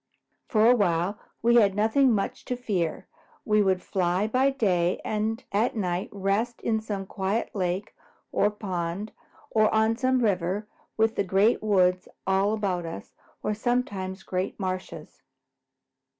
For a while we had nothing much to fear. We would fly by day and at night rest in some quiet lake or pond or on some river, with the Great Woods all about us or sometimes great marshes.